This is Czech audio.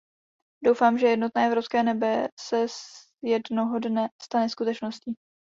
Doufám, že jednotné evropské nebe se jednoho dne stane skutečností.